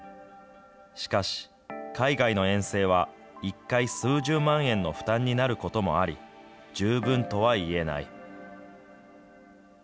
しかし、海外の遠征は１回数十万円の負担になることもあり、十分とは言えない。